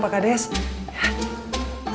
pak kades empatura pak kades